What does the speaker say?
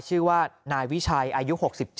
ชื่อว่านายวิชัยอายุ๖๗